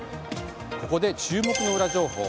ここで注目のウラ情報。